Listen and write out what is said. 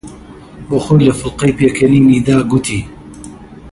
بۆ خۆی لە فڵقەی پێکەنینی دا، گوتی: